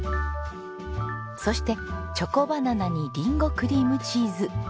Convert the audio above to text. そしてチョコバナナにりんごクリームチーズ。